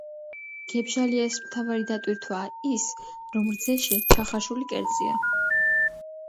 გებჟალიას მთავარი დატვირთვაა ის, რომ რძეში ჩახარშული კერძია.